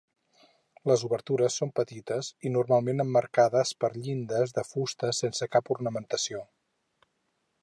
Les obertures són petites i normalment emmarcades per llindes de fusta sense cap ornamentació.